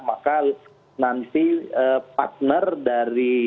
maka nanti partner dari